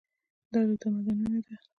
دا د تمدنونو ده.